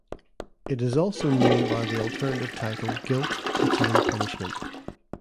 It is also known by the alternative title Guilt Its Own Punishment.